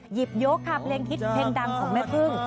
หยิบยกค่ะเพลงฮิตเพลงดังของแม่พึ่ง